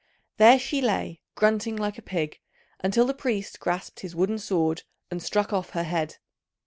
There she lay grunting like a pig, until the priest grasped his wooden sword and struck off her head.